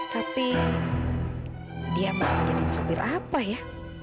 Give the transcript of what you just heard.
tapi dia mau jadi sopir apa ya